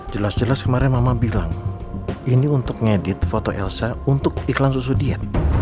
jelas jelas kemarin mama bilang ini untuk ngedit foto elsa untuk iklan susu dia